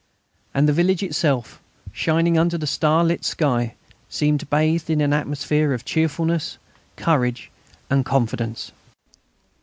And the village itself, shining under the starlit sky, seemed bathed in an atmosphere of cheerfulness, courage and confidence.